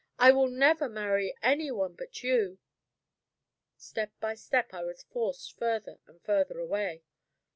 I will never marry any one but you!" Step by step, I was forced further and further away.